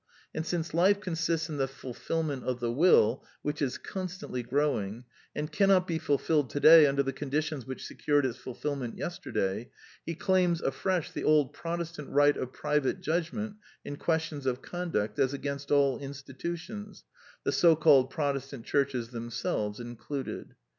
And since life consists in the fulfilment of the will* which is constantly growing, and cannot be fulfilled today under the conditions which secured its fulfilment yesterday, he claims afresh the old Protestant right of private judgment in questions of conduct as against all institutions, the sonralled Protestant Churches themselves included.